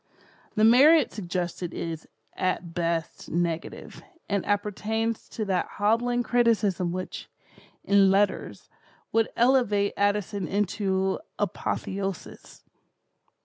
The merit suggested is, at best, negative, and appertains to that hobbling criticism which, in letters, would elevate Addison into apotheosis.